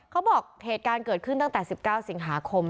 เหตุการณ์เกิดขึ้นตั้งแต่๑๙สิงหาคม